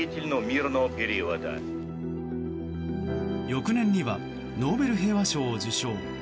翌年にはノーベル平和賞を受賞。